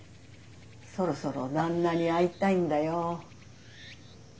そろそろ旦那に会いたいんだよ。